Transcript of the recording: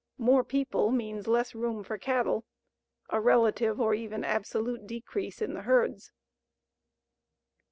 More people means less room for cattle a relative or even absolute decrease in the herds.